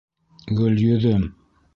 Гөлйөҙөм: